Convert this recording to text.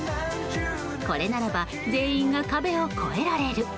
これならば全員が壁を越えられる。